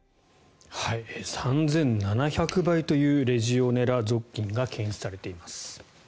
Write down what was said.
３７００倍というレジオネラ属菌が検出されています。